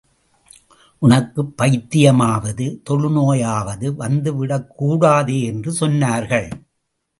உமக்குப் பைத்தியமாவது, தொழு நோயாவது வந்து விடக் கூடாதே என்று சொன்னார்கள்.